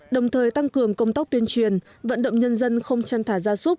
đồng thời tăng cường công tóc tuyên truyền vận động nhân dân không chăn thả gia súc